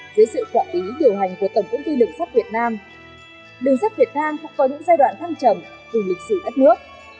dưới sự quản lý điều hành của tổng công ty đường sắt việt nam đường sắt việt nam cũng có những giai đoạn thăng trầm từ lịch sử đất nước